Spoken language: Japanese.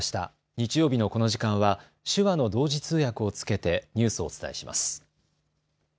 日曜日のこの時間は手話の同時通訳をつけてニュースをお伝えします。